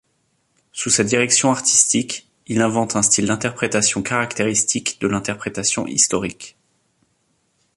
Sous sa direction artistique, il invente un style d'interprétation caractéristique de l'interprétation historique.